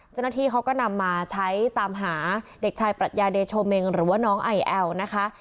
เจ้าหน้าที่เขาก็นำมาใช้ตามหาเด็กชายปรัชญาเดโชเมงหรือว่าน้องไอแอลนะคะ